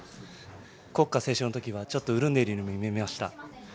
国歌斉唱の時には、ちょっと潤んでいるようにも見えました。